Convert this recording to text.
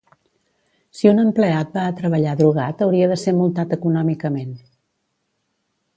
Si un empleat va a treballar drogat hauria de ser multat econòmicament